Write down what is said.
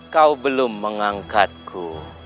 kau belum mengangkatku